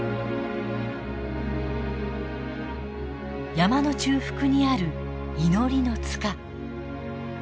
山の中腹にある祈りの塚。